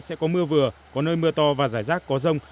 sẽ có mưa vừa có nơi mưa to và rải rác có rông